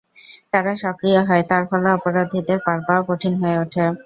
তারা সক্রিয় হয়, তার ফলে অপরাধীদের পার পাওয়া কঠিন হয়ে ওঠে।